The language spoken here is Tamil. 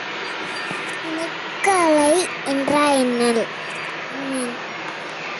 இயக்க அலை என்றால் என்ன?